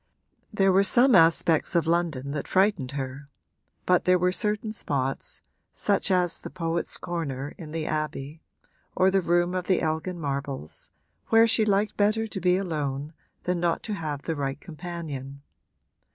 There were some aspects of London that frightened her, but there were certain spots, such as the Poets' Corner in the Abbey or the room of the Elgin marbles, where she liked better to be alone than not to have the right companion.